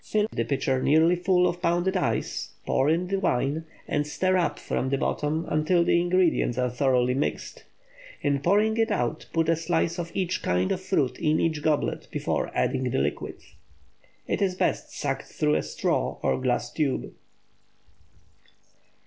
Fill the pitcher nearly full of pounded ice, pour in the wine, and stir up from the bottom until the ingredients are thoroughly mixed. In pouring it out put a slice of each kind of fruit in each goblet before adding the liquid. It is best sucked through a straw or glass tube.